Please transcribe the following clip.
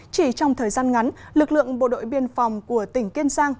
chỉ trong thời gian ngắn lực lượng bộ đội biên phòng của tỉnh kiên giang